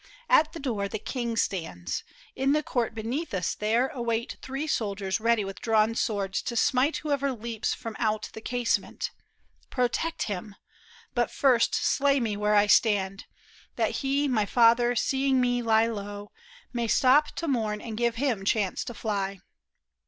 At the door The king stands ; in the court beneath us there, Await three soldiers ready v/ith drawn swords To smite whoever leaps from out the casement ; Protect him ! but first slay me where I stand, That he, my father, seeing me lie low, May stop to mourn and give him chance to fly."